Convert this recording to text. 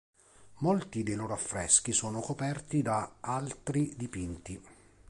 Molti dei loro affreschi sono coperti da altri dipinti.